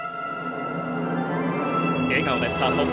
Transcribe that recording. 笑顔でスタート。